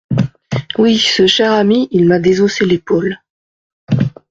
Oui, ce cher ami, il m’a désossé l’épaule…